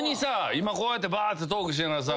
今こうやってバーッてトークしながらさ。